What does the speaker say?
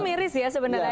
itu miris ya sebenarnya